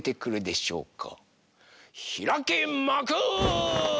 ひらけまく！